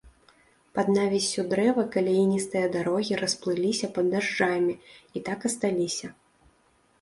Пад навіссю дрэва каляіністыя дарогі расплыліся пад дажджамі і так асталіся.